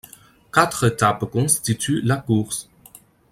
Quatre étapes constituent la course.